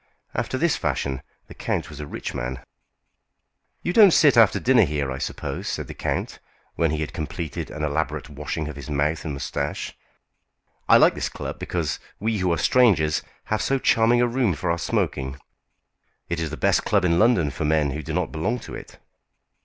After this fashion the count was a rich man. "You don't sit after dinner here, I suppose," said the count, when he had completed an elaborate washing of his mouth and moustache. "I like this club because we who are strangers have so charming a room for our smoking. It is the best club in London for men who do not belong to it."